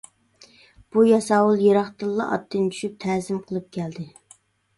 بۇ ياساۋۇل يىراقتىنلا ئاتتىن چۈشۈپ، تەزىم قىلىپ كەلدى.